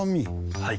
はい。